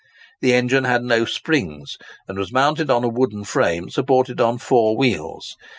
The engine had no springs, and was mounted on a wooden frame supported on four wheels.